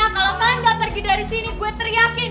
kalo kalian gak pergi dari sini gue teriakin